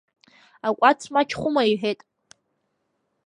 Акәац мачхәума, – иҳәеит.